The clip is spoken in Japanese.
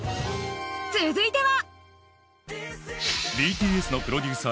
続いては？